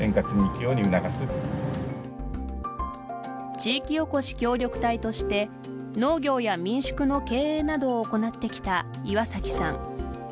地域おこし協力隊として農業や民宿の経営などを行ってきた岩崎さん。